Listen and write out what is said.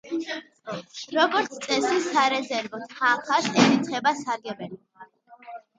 როგორც წესი, სარეზერვო თანხას ერიცხება სარგებელი.